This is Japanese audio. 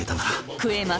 食えます！